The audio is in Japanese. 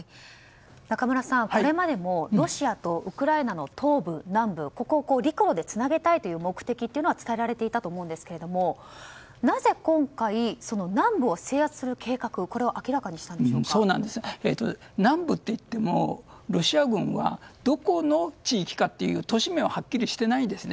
中村さん、これまでのロシアとウクライナの東部、南部ここを陸路でつなげたいという目的は伝えられていたと思うんですがなぜ、今回南部を制圧する計画南部っていっても、ロシア軍はどこの地域かという都市名ははっきりしていないんです。